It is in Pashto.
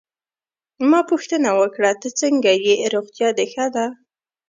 ما پوښتنه وکړه: ته څنګه ېې، روغتیا دي ښه ده؟